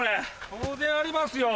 当然ありますよ。